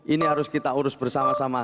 ini harus kita urus bersama sama